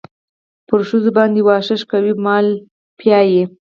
پر ښځو باندې واښه شکوي مال پيايي.